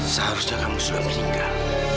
seharusnya kamu sudah meninggal